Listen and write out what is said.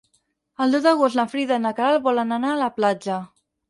El deu d'agost na Frida i na Queralt volen anar a la platja.